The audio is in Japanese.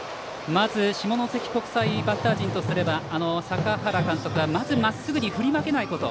まず下関国際バッター陣とすれば坂原監督はまっすぐに振り負けないこと。